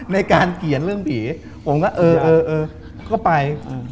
ในการเขียนเรื่องผีผมก็เออก็ไป